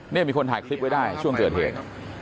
นี่มีคนถ่ายคลิปไว้ได้ช่วงเกิดเหตุ